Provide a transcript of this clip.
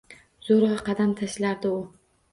Zo‘rg‘a qadam tashlardi u.